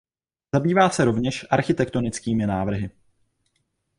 Zabývá se rovněž architektonickými návrhy.